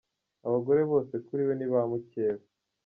Abagore bose kuri we nib a mukeba.